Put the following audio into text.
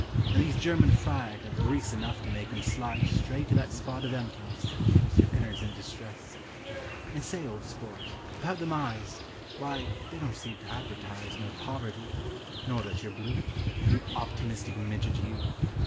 And these "German fried" 'Ave grease enough to make 'em slide Straight to that spot of emptiness That keeps your innards in distress! And, say, old sport, about them eyes: Wye, they don't seem to advertise No poverty, nor that you're blue, You optimistic midget you!